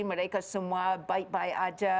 mereka semua baik baik aja